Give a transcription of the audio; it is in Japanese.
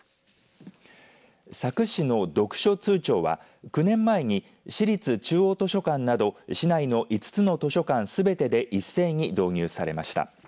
佐久市の読書通帳は９年前に市立中央図書館など市内の５つの図書館すべてで一斉に導入されました。